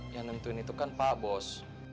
yang nentuin itu kan pak bos